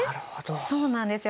そうなんですよ。